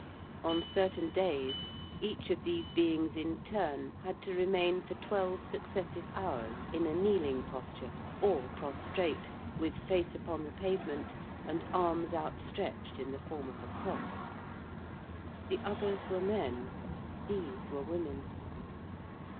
On certain days each of these beings in turn had to remain for twelve successive hours in a kneeling posture, or prostrate, with face upon the pavement, and arms outstretched in the form of a cross. The others were men; these were women.